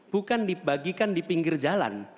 bukan dibagikan di pinggir jalan